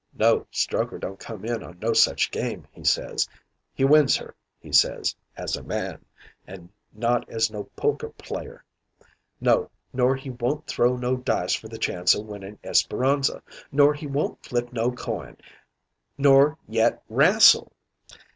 "No, Strokher don't come in on no such game, he says. He wins her, he says, as a man, and not as no poker player. No, nor he won't throw no dice for the chance o' winnin' Esperanza, nor he won't flip no coin, nor yet 'rastle.